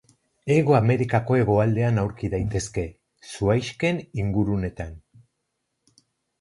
Hego Amerikako hegoaldean aurki daitezke, zuhaixken ingurunetan.